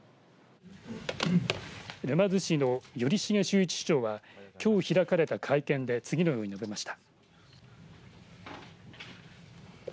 沼津市の頼重秀一市長はきょう開かれた会見で次のように述べました。